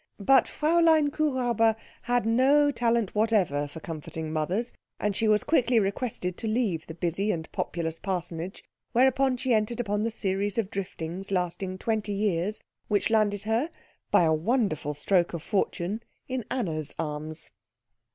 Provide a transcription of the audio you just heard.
But Fräulein Kuhräuber had no talent whatever for comforting mothers, and she was quickly requested to leave the busy and populous parsonage; whereupon she entered upon the series of driftings lasting twenty years, which landed her, by a wonderful stroke of fortune, in Anna's arms.